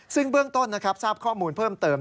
ซึ่งเบื้องต้นนะครับทราบข้อมูลเพิ่มเติม